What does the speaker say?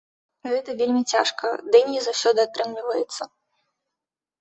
Гэта вельмі цяжка, дый не заўсёды атрымліваецца.